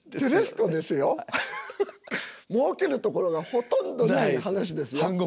もうけるところがほとんどない噺ですよ。